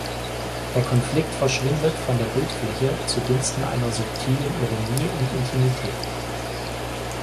Der Konflikt verschwindet von der Bildfläche, zugunsten einer subtilen Ironie und Intimität.